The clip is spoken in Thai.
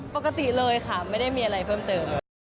ปกติเลยค่ะไม่ได้มีอะไรเพิ่มเติม